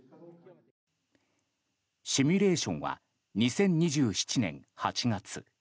シミュレーションは２０２７年８月。